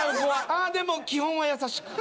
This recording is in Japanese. ああでも基本は優しく。